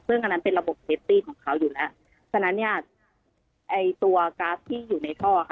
ซึ่งอันนั้นเป็นระบบเซฟตี้ของเขาอยู่แล้วฉะนั้นเนี่ยไอ้ตัวกราฟที่อยู่ในท่อค่ะ